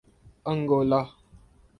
Angola